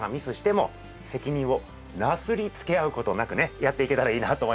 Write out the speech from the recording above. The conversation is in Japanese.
やっていけたらいいなと思います。